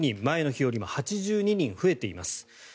前の日よりも８２人増えています。